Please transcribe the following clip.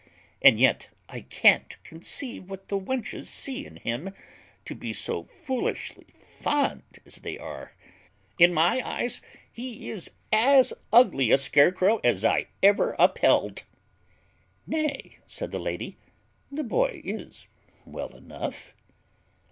And yet I can't conceive what the wenches see in him, to be so foolishly fond as they are; in my eyes, he is as ugly a scarecrow as I ever upheld." "Nay," said the lady, "the boy is well enough."